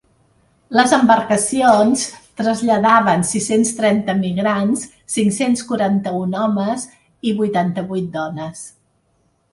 Les embarcacions traslladaven sis-cents trenta migrants, cinc-cents quaranta-un homes i vuitanta-vuit dones.